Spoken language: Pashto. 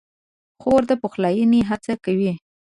خور د پخلاینې هڅه کوي.